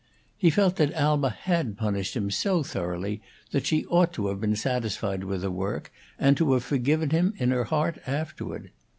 He felt that Alma had punished him so thoroughly that she ought to have been satisfied with her work and to have forgiven him in her heart afterward.